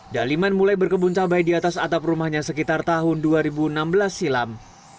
daliman mulai berkebun cabai di atas atap rumahnya sekitar tahun dua ribu enam belas silam